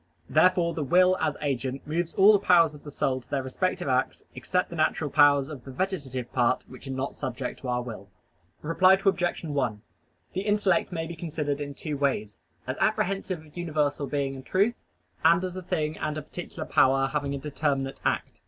Therefore the will as agent moves all the powers of the soul to their respective acts, except the natural powers of the vegetative part, which are not subject to our will. Reply Obj. 1: The intellect may be considered in two ways: as apprehensive of universal being and truth, and as a thing and a particular power having a determinate act.